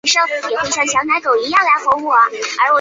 那不勒斯省是意大利人口最密集的省份。